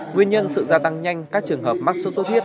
nguyên nhân sự gia tăng nhanh các trường hợp mắc sốt xuất huyết